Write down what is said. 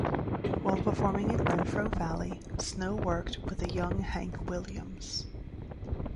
While performing in Renfro Valley, Snow worked with a young Hank Williams.